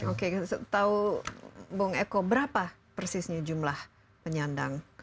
oke tahu bung eko berapa persisnya jumlah penyandang